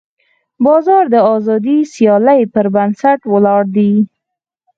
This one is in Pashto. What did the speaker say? بازار د ازادې سیالۍ پر بنسټ ولاړ دی.